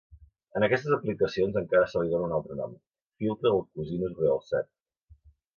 En aquestes aplicacions, encara se li dóna un altre nom: filtre del cosinus realçat.